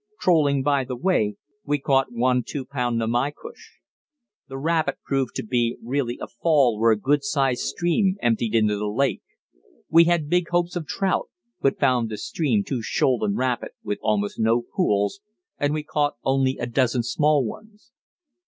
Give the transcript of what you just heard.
Trolling by the way, we caught one two pound namaycush. The rapid proved to be really a fall where a good sized stream emptied into the lake. We had big hopes of trout, but found the stream too shoal and rapid, with almost no pools, and we caught only a dozen small ones.